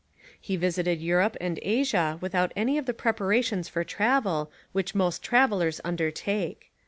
He visited Europe and Asia without any of the preparations for travel which most travellers undertake.